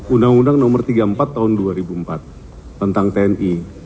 undang undang nomor tiga puluh empat tahun dua ribu empat tentang tni